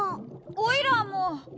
おいらも。